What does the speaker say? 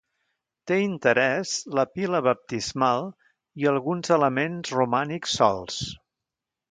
Té interès la pila baptismal i alguns elements romànics solts.